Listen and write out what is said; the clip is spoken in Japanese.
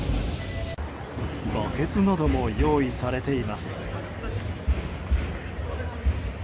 バケツなども用意されています。